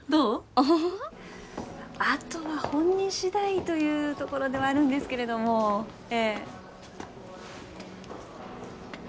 オホホホッあとは本人次第というところではあるんですけれどもええ